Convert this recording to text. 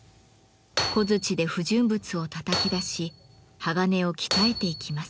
小づちで不純物をたたき出し鋼を鍛えていきます。